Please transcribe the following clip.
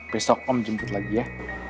besok om jemput lagi ya